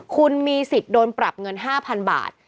คุณมีสิทธิ์โดนปรับเงิน๕๐๐๐บาท